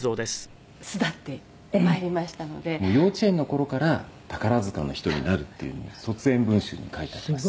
「幼稚園の頃から宝塚の人になるっていうのを卒園文集に書いてありました」